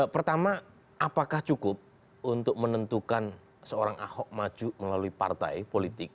pertama apakah cukup untuk menentukan seorang ahok maju melalui partai politik